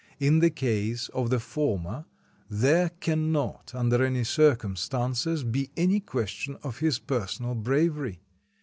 In the case of the former there cannot, under any circumstances, be any question of his personal bravery.